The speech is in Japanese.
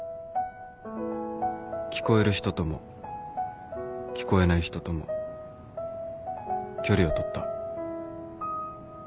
聞こえる人とも聞こえない人とも距離をとった